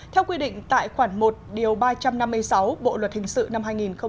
theo quy định tại khoản một ba trăm năm mươi sáu bộ luật hình sự năm hai nghìn một mươi năm